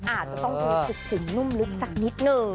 อาจจะต้องดูสุขุมนุ่มลึกสักนิดนึง